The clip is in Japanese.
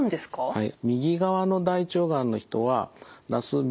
はい。